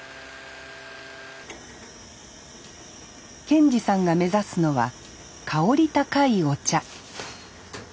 健二さんが目指すのは香り高いお茶。